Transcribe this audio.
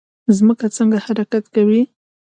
ځمکه څنګه حرکت کوي؟